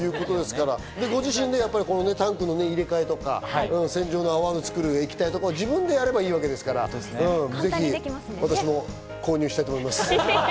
ご自身でタンクの切り替えとか、液体の泡とか自分でやればいいわけですから、私も購入したいと思います。